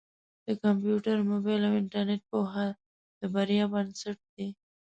د کمپیوټر، مبایل او انټرنېټ پوهه د بریا بنسټ دی.